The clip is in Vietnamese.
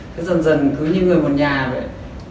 thế dần dần cứ như người một nhà vậy